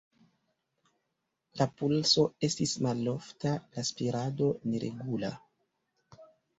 La pulso estis malofta, la spirado neregula.